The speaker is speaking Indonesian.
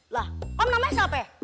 lah om namanya siapa